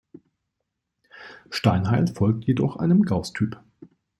Steinheil folgt jedoch einem Gauß-Typ.